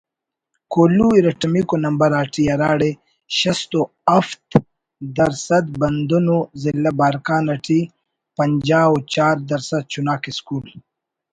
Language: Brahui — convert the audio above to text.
کوہلو ارٹمیکو نمبر آٹے ہراڑے شست و ہفت درسَد ہندن ضلع بارکھان اٹی پنجا و چار درسَد چناک اسکول